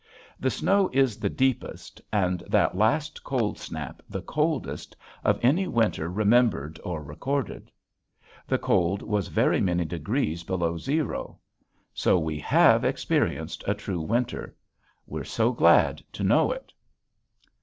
The snow is the deepest, and that last cold snap the coldest, of any winter remembered or recorded. The cold was very many degrees below zero. So we have experienced a true winter. We're so glad to know it.